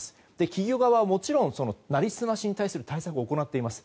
企業側はもちろん成り済ましに対する対策を行っています。